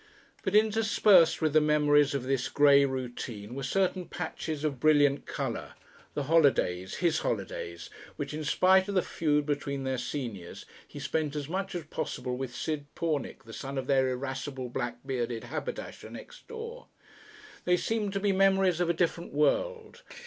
But interspersed with the memories of this grey routine were certain patches of brilliant colour the holidays, his holidays, which in spite of the feud between their seniors, he spent as much as possible with Sid Pornick, the son of the irascible black bearded haberdasher next door. They seemed to be memories of a different world.